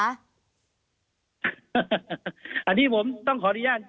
อันนี้ผมต้องขออนุญาต